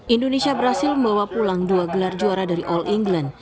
indonesia berhasil membawa pulang dua gelar juara dari all england